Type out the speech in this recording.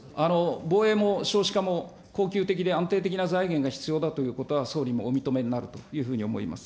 防衛も少子化も恒久的で安定的な財源が必要だということは総理もお認めになるというふうに思います。